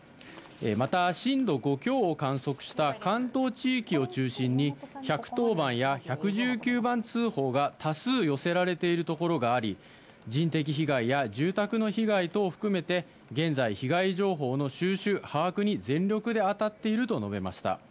また、震度５強を観測した関東地域を中心に１１０番や１１９番通報が多数寄せられているところがあり人的被害や住宅の被害等を含めて現在、被害状況の収集・把握に全力で当たっていると述べました。